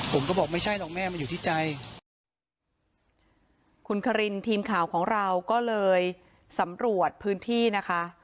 ผมก็บอกไม่ใช่หรอกแม่มันอยู่ที่ใจคุณคารินทีมข่าวของเราก็เลยสำรวจพื้นที่นะคะ